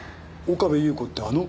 岡部祐子ってあの？